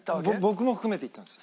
僕も含めて言ったんです。